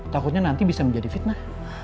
takutnya nanti bisa menjadi fitnah